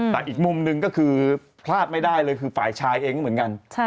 แต่อีกมุมหนึ่งก็คือพลาดไม่ได้เลยคือฝ่ายชายเองก็เหมือนกัน